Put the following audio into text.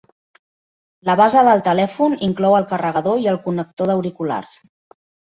La base del telèfon inclou el carregador i el connector d'auriculars.